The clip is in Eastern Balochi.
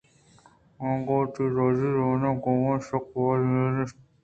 من ءَ گوں وتی راجی زبان ءِ گوما سک باز مھر ھست اِنت